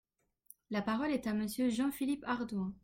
La parole est à Monsieur Jean-Philippe Ardouin.